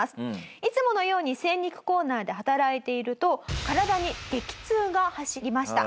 いつものように精肉コーナーで働いていると体に激痛が走りました。